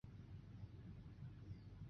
许多政府机关都座落在此区。